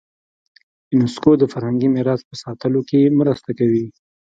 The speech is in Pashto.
یونسکو د فرهنګي میراث په ساتلو کې مرسته کوي.